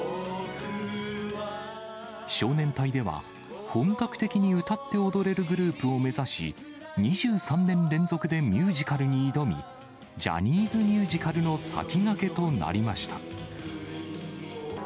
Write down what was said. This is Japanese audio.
少年隊では、本格的に歌って踊れるグループを目指し、２３年連続でミュージカルに挑み、ジャニーズミュージカルの先駆けとなりました。